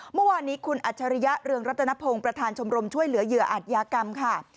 เมื่อวานนี้คุณอัจฉริยะเรืองรัตนพงศ์ประธานชมรมช่วยเหลือเหยื่ออาจยากรรมค่ะ